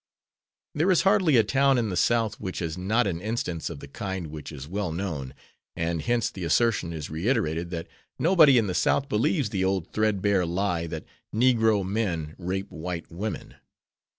There is hardly a town in the South which has not an instance of the kind which is well known, and hence the assertion is reiterated that "nobody in the South believes the old thread bare lie that negro men rape white women."